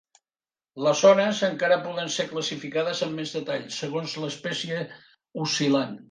Les ones encara poden ser classificades amb més detall, segons l'espècie oscil·lant.